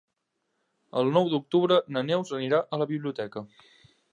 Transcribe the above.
El nou d'octubre na Neus anirà a la biblioteca.